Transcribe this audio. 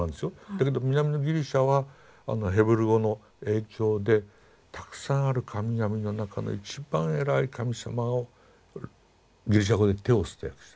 だけど南のギリシャはヘブル語の影響でたくさんある神々の中の一番偉い神様をギリシャ語でテオスと訳したの。